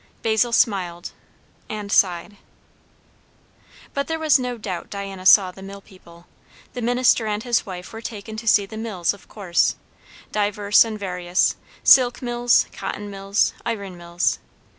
Basil smiled and sighed. But there was no doubt Diana saw the mill people. The minister and his wife were taken to see the mills, of course, divers and various silk mills, cotton mills, iron mills.